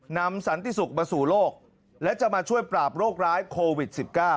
สันติสุขมาสู่โลกและจะมาช่วยปราบโรคร้ายโควิด๑๙